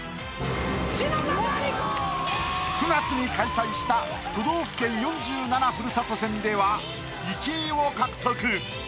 ９月に開催した「都道府県４７ふるさと戦」では１位を獲得。